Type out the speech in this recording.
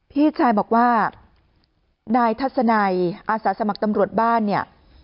พี่ชายบอกว่านายทัศนัยอาสาสมัครตำรวจบ้านเนี่ย